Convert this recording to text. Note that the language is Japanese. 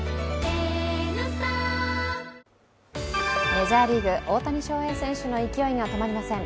メジャーリーグ、大谷翔平選手の勢いが止まりません。